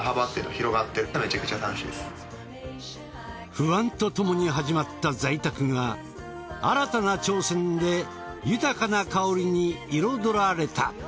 不安とともに始まった在宅が新たな挑戦で豊かな薫りに彩られた。